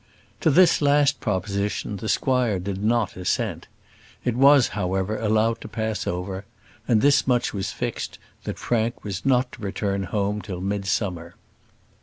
To this last proposition the squire did not assent. It was, however, allowed to pass over; and this much was fixed, that Frank was not to return home till midsummer.